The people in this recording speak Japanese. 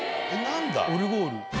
オルゴール？